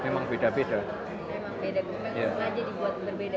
memang beda beda dibuat berbeda